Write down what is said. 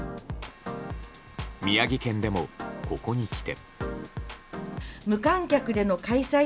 宮城県でも、ここにきて。